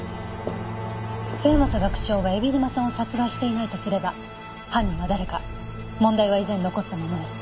末政学長が海老沼さんを殺害していないとすれば犯人は誰か問題は依然残ったままです。